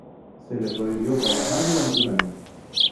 Se le prohibió trabajar durante un año.